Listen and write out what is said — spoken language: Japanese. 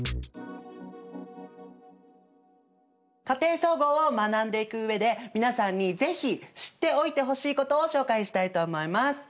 「家庭総合」を学んでいく上で皆さんにぜひ知っておいてほしいことを紹介したいと思います。